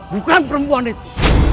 bukan perempuan itu